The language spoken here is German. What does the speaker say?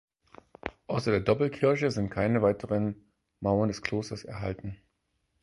Außer der Doppelkirche sind keine weiteren Mauern des Klosters erhalten.